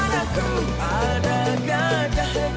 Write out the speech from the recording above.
ya pak pak atu